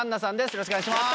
よろしくお願いします。